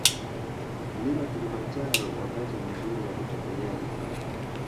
Mlima Kilimanjaro Wakati mzuri wa kutembelea hifadhi